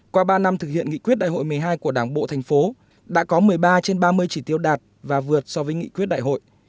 qua ba năm thực hiện nghị quyết đại hội một mươi hai của đảng bộ thành phố đã có một mươi ba trên ba mươi chỉ tiêu đạt và vượt so với nghị quyết đại hội